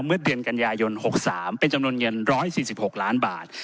เมื่อเดือนกันยายน๖๓เป็นจำนวนเงิน๑๔๖ล้านบาท